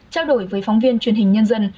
trao đổi với phóng viên truyền hình nhân dân